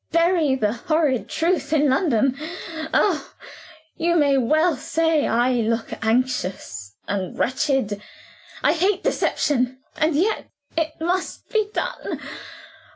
Bury the horrid truth in London. Ah, you may well say I look anxious and wretched. I hate deception and yet, it must be done.